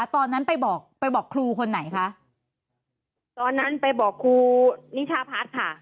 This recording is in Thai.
ตอนนั้นไปบอกไปบอกครูคนไหนคะตอนนั้นไปบอกครูนิชาพัฒน์ค่ะ